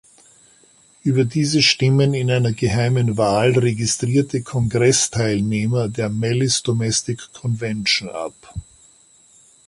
Über diese stimmen in einer geheimen Wahl registrierte Kongress-Teilnehmer der Malice Domestic Convention ab.